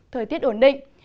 thời tiết ổn định